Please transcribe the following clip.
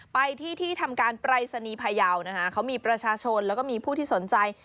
ไปที่ที่ทำการปรายศนีย์พยาวนะคะเขามีประชาชนแล้วก็มีผู้ที่สนใจ